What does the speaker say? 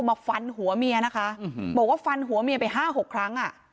มาฟันหัวเมียนะคะบอกว่าฟันหัวเมียไปห้าหกครั้งอ่ะ